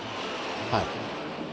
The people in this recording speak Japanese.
はい。